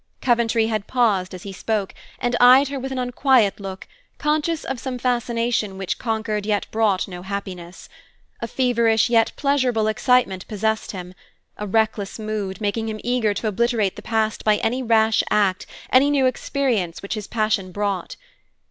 Coventry had paused as he spoke, and eyed her with an unquiet look, conscious of some fascination which conquered yet brought no happiness. A feverish yet pleasurable excitement possessed him; a reckless mood, making him eager to obliterate the past by any rash act, any new experience which his passion brought.